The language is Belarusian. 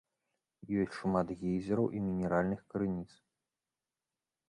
Ёсць шмат гейзераў і мінеральных крыніц.